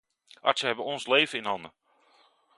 Artsen hebben ons leven in hun handen.